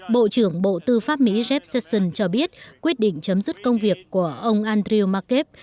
bộ trưởng bộ tư pháp mỹ rep sesson cho biết quyết định chấm dứt công việc của ông andrew markep